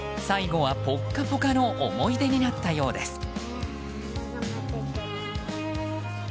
最後はポッカポカの思い出になったようです。